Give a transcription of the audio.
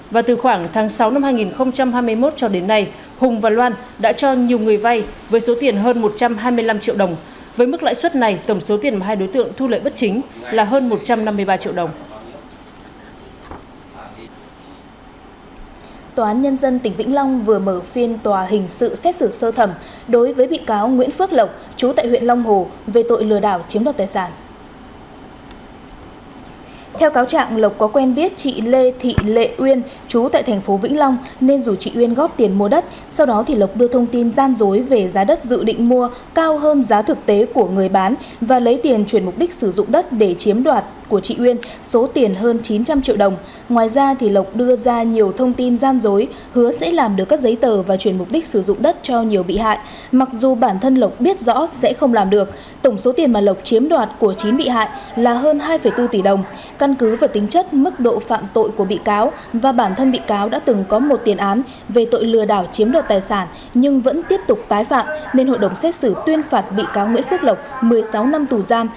và từ khoảng tháng sáu năm hai nghìn hai mươi một cho đến nay hùng và loan đã cho nhiều người vai với số tiền hơn một trăm hai mươi năm triệu đồng với mức lãi suất này tổng số tiền mà hai đối tượng thu lợi bất chính là hơn một trăm năm mươi ba triệu đồng